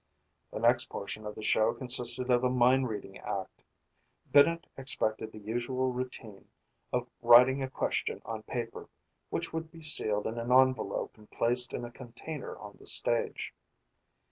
The next portion of the show consisted of a mind reading act. Bennett expected the usual routine of writing a question on paper, which would be sealed in an envelope and placed in a container on the stage.